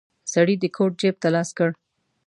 سړی د کوټ جيب ته لاس کړ.